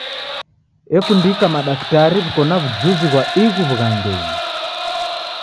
Ekundika madaktari w'iko na w'ujuzi ghwa ighu w'ughangenyi.